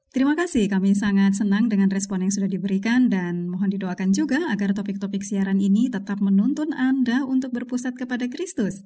terima kasih kami sangat senang dengan respon yang sudah diberikan dan mohon didoakan juga agar topik topik siaran ini tetap menuntun anda untuk berpusat kepada kristus